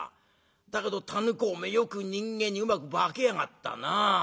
だけどタヌ公おめえよく人間にうまく化けやがったな。